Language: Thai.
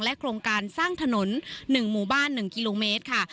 โครงการสร้างถนน๑หมู่บ้าน๑กิโลเมตรค่ะ